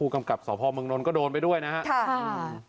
กำกับสพเมืองนนท์ก็โดนไปด้วยนะครับ